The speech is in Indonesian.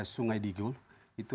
sungai digul itu